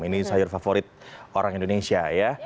ini sayur favorit orang indonesia ya